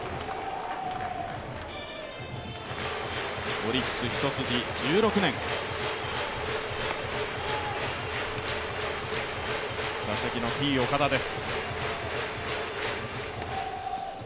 オリックス一筋１６年、打席のＴ−岡田です。